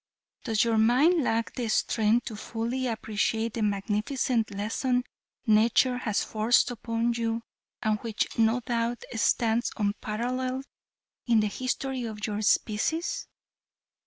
Does your mind lack the strength to fully appreciate the magnificent lesson nature has forced upon you, and which, no doubt, stands unparalleled in the history of your species?